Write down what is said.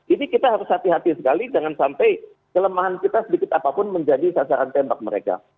ini kita harus hati hati sekali jangan sampai kelemahan kita sedikit apapun menjadi sasaran tembak mereka